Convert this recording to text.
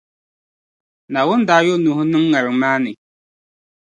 Naawuni daa yo Nuhu niŋ ŋariŋ maa ni.